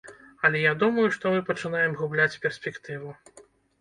Але я думаю, што мы пачынаем губляць перспектыву.